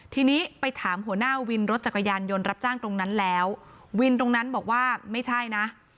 ทีนี้ไปถามหัวหน้าวินรถจักรยานยนต์รับจ้างตรงนั้นแล้ววินตรงนั้นบอกว่าไม่ใช่นะ